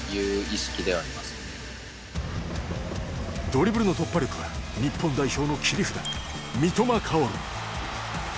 ドリブルの突破力は日本代表の切り札